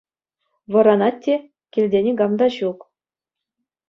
Вӑранать те — килте никам та ҫук.